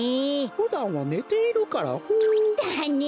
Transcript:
ふだんはねているからホー。だね。